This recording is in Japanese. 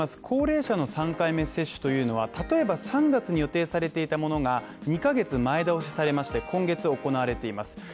高齢者の３回目接種というのは例えば３月に予定されていたものが、２ヶ月前倒しされまして今月行われています。